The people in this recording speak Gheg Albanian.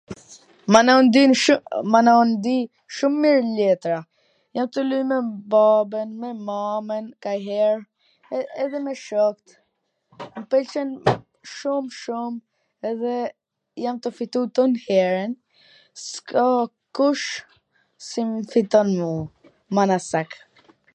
Mana un kam.. un di shum mir letra, jam tu luj me babwn, me mamwn kanjher, edhe me shokt, m pwlqen shum shum edhe jam tufitu twn herwn, s ka kush si m fiton mu, mana sak .